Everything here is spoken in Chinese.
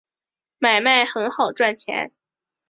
买卖很好赚钱